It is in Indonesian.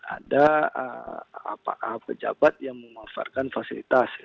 ada pejabat yang memanfaatkan fasilitas